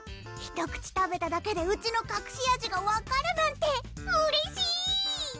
１口食べただけでうちのかくし味が分かるなんてうれしい！